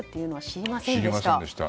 知りませんでした。